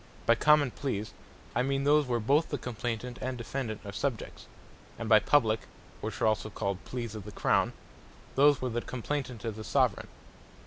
By Common Pleas, I meane those, where both the Complaynant and Defendant are Subjects: and by Publique, (which are also called Pleas of the Crown) those, where the Complaynant is the Soveraign.